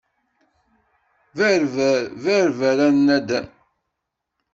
Berber, berber a naddam.